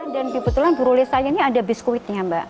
dan kebetulan brule sayangnya ada biskuitnya mbak